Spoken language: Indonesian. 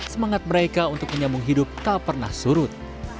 semangat mereka untuk menyambung hidup tak pernah surut